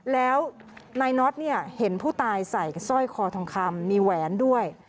แล้วนายน็อตเนี่ยเห็นผู้ตายใส่สร้อยคอทองคำมีแหวนด้วย